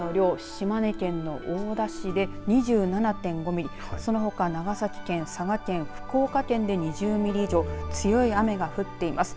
島根県の大田市で２７．５ミリそのほか長崎県、佐賀県福岡県で２０ミリ以上強い雨が降っています。